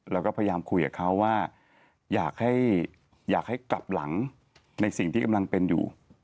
แล้วก็พยายามคุยกับเขาว่าอยากให้กลับหลังในสิ่งที่กำลังเป็นอยู่